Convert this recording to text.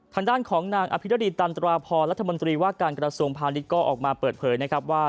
ฮั่งด้านของนางอภิริตันตราพอร์รัฐมนตรีว่าการกรสมภาริก็ออกมาเปิดเผยนะครับว่า